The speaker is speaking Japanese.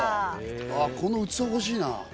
この器、欲しいな。